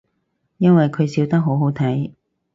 因為佢笑得好好睇